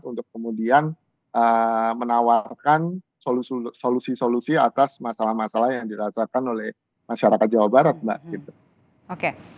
untuk kemudian menawarkan solusi solusi atas masalah masalah yang dirasakan oleh masyarakat jawa barat mbak